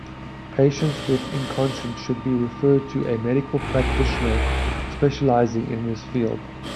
Patients with incontinence should be referred to a medical practitioner specializing in this field.